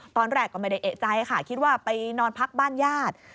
ตอนแรกก็ไม่ได้เอกใจค่ะคิดว่าไปนอนพักบ้านญาติ